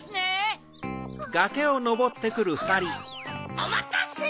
おまたせ。